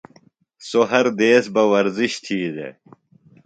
سوۡ ہر دیس بہ ورزِش تھی دےۡ۔